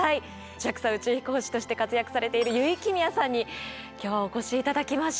ＪＡＸＡ宇宙飛行士として活躍されている油井亀美也さんに今日はお越し頂きました。